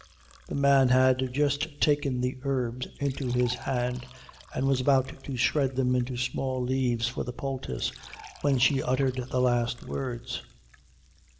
The man had just taken the herbs into his hand and was about to shred them into small leaves for the poultice, when she uttered the last words.